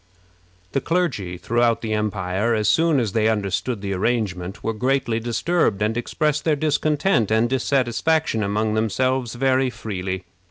The clergy throughout the empire, as soon as they understood this arrangement, were greatly disturbed, and expressed their discontent and dissatisfaction among themselves very freely.